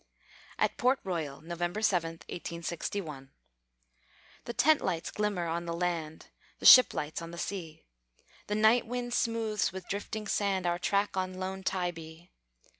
AT PORT ROYAL [November 7, 1861] The tent lights glimmer on the land, The ship lights on the sea; The night wind smooths with drifting sand Our track on lone Tybee.